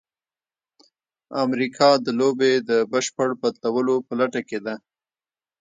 امریکا د لوبې د بشپړ بدلولو په لټه کې ده.